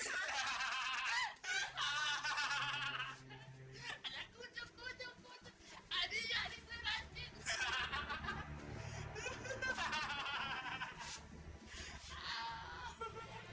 si anwar juga disunacin